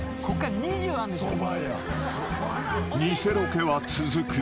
［偽ロケは続く］